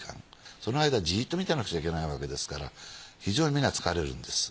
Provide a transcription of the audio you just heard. その間じっと見てなくちゃいけないわけですから非常に目が疲れるんです。